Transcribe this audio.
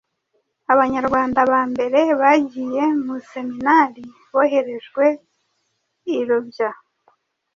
Abanyarwanda ba mbere bagiye mu seminari boherejwe i Rubya